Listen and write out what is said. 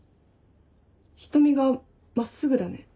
瞳が真っすぐだね。